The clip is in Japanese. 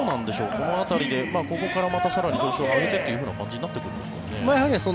この辺りで、ここから更に調子を上げてということになってくるんでしょうか。